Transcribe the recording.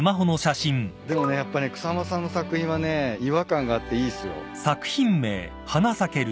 でもねやっぱね草間さんの作品はね違和感があっていいっすよ。